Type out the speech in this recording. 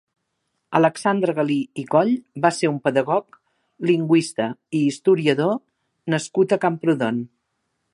Alexandre Galí i Coll va ser un pedagog, lingüista i historiador nascut a Camprodon.